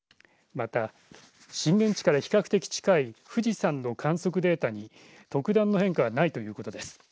また、震源地から比較的近い富士山の観測データに特段の変化はないということです。